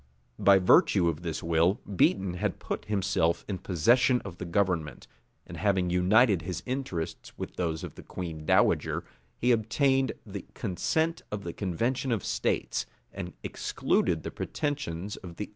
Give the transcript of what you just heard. [] By virtue of this will, Beaton had put himself in possession of the government; and having united his interests with those of the queen dowager, he obtained the consent of the convention of states, and excluded the pretensions of the earl of Arran.